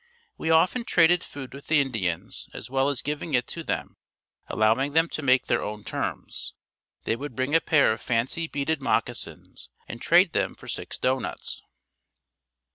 We often traded food with the Indians as well as giving it to them, allowing them to make their own terms. They would bring a pair of fancy beaded moccasins and trade them for six doughnuts.